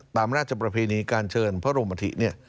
ตามราชประเพณีการเชิญพระบรมทิ